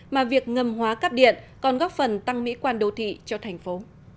mà việc ngầm hóa cắp điện còn góp phần tăng mỹ quan đô thị cho thành phố